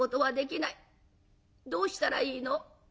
どうしたらいいの？」。